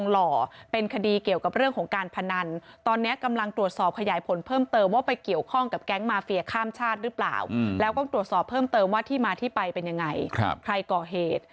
แล้วก็ตรวจสอบเพิ่มเติมว่าที่มาที่ไปเป็นยังไงใครก่อเหตุ